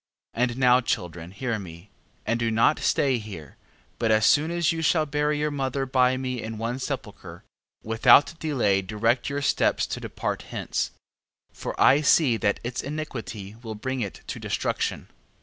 14:12. And now, children, hear me, and do not stay here: but as soon as you shall bury your mother by me in one sepulchre, without delay direct your steps to depart hence: 14:13. For I see that its iniquity will bring it to destruction.